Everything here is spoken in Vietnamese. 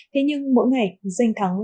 thế nhưng mỗi ngày danh thắng